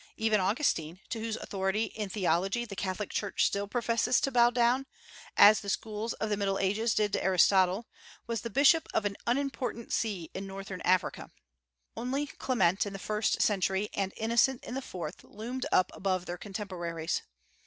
Even Augustine, to whose authority in theology the Catholic Church still professes to bow down, as the schools of the Middle Ages did to Aristotle, was the bishop of an unimportant See in Northern Africa. Only Clement in the first century, and Innocent in the fourth loomed up above their contemporaries.